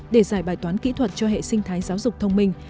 để giải bài toán kỹ thuật cho hệ sinh thái giáo dục thông minh